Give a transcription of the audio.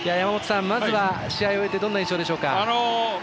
試合を終えてどんな印象でしょうか？